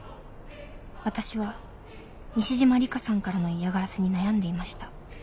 「私は西島里佳さんからの嫌がらせに悩んでいました」